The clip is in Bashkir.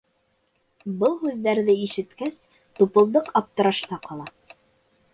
Был һүҙҙәрҙе ишеткәс, Тупылдыҡ аптырашта ҡала: